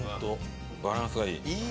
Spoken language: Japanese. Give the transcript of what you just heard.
バランスがいい。